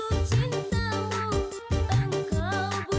matilah mandi kaki